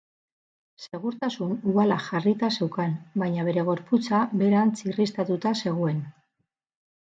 Segurtasun uhala jarrita zeukan, baina bere gorputza beherantz irristatuta zegoen.